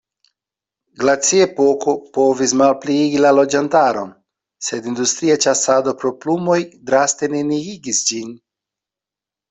Glaciepoko povis malpliigi la loĝantaron, sed industria ĉasado pro plumoj draste neniigis ĝin.